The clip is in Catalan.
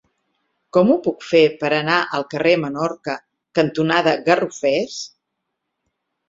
Com ho puc fer per anar al carrer Menorca cantonada Garrofers?